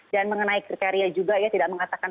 dan mengenai kriteria juga ia tidak mengatakan